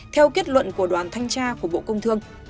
theo kết luận của đoàn thanh tra của bộ công thương